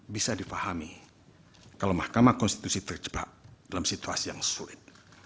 bisa dipahami kalau mahkamah konstitusi terjebak dalam situasi yang sulit